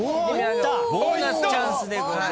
ボーナスチャンスでございます。